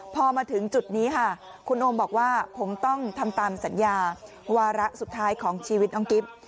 พอมาถึงจุดนี้ค่ะคุณโอมบอกว่าผมต้องทำตามสัญญาวาระสุดท้ายของชีวิตน้องกิฟต์